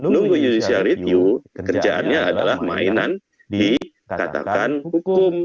nunggu judicial review kerjaannya adalah mainan dikatakan hukum